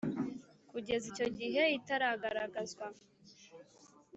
kugeza icyo gihe itaragaragazwa